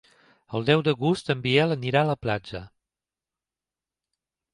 El deu d'agost en Biel anirà a la platja.